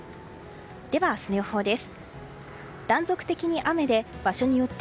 では明日の予報です。